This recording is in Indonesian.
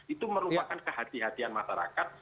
itu merupakan kehatian kehatian masyarakat